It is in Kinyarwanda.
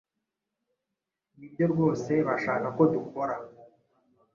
Nibyo rwose bashaka ko dukora.